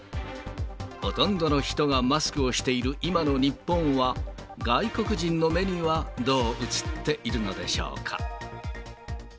ほとんどの人がマスクをしている今の日本は、外国人の目にはどう映っているのでしょうか。